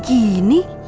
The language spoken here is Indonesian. masa di acaranya maharatu